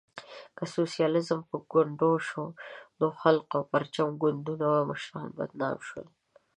که سوسیالیزم په ګونډو شو، نو د خلق او پرچم ګوندونو مشران بدنام شول.